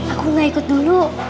aku gak ikut dulu